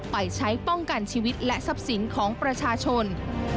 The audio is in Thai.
ไปใช้ป้องกันชีวิตและทรัพย์สินของประชาชน